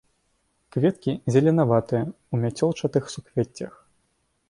Кветкі зеленаватыя, у мяцёлчатых суквеццях.